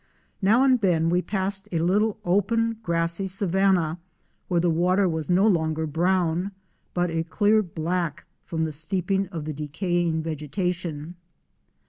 Now and then we passed a little open grassy savanna where the water was no longer brown, but a clear black from the steeping of the decaying vegetation.